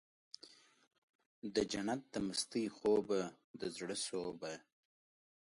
دجنت د مستۍ خوبه د زړه سوبه